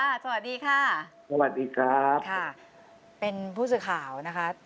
สวัสดีค่ะสวัสดีครับค่ะเป็นผู้สื่อข่าวนะคะ